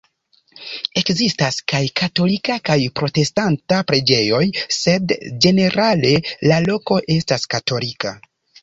Ekzistas kaj katolika kaj protestanta preĝejoj, sed ĝenerale la loko estas katolika.